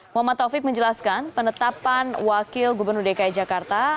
muhammad taufik menjelaskan penetapan wakil gubernur dki jakarta